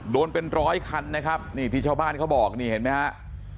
โดนเป็นร้อยคันนะครับนี่ที่ชาวบ้านเขาบอกนี่เห็นไหมฮะ